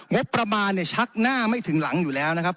งบประมาณเนี่ยชักหน้าไม่ถึงหลังอยู่แล้วนะครับ